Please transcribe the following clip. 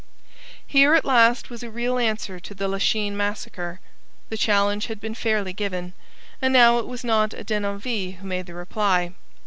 Here, at last, was a real answer to the Lachine massacre. The challenge had been fairly given, and now it was not a Denonville who made the reply.